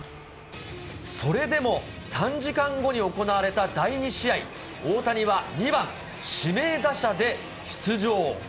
それでも３時間後に行われた第２試合、大谷は２番指名打者で出場。